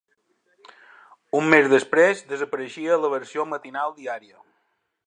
Un mes després, desapareixia la versió matinal diària.